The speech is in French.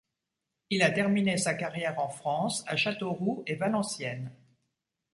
Il a terminé sa carrière en France à Châteauroux et Valenciennes.